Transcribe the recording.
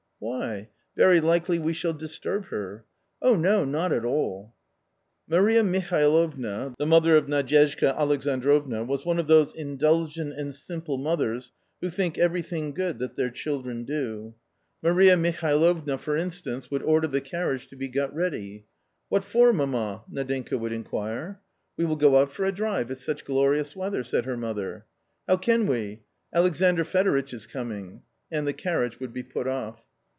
" Why ? Very likely we shall disturb her." " Oh no, not at all." Marja^Mihgloynaa the mother, of Nadyezhda_ Alexaa drovna, was one of those indulgent and simple mothers who trrink everything good that their children do. Maria 88 A COMMON STORY Mihalovna, for instance, would order the carriage to be got ready. " What for, mamma ?" Nadinka would inquire, " We will go out for a drive, it's such glorious weather," said her mother. " How can we ? Alexandr Fedoritch is coming." And the carriage would be put off.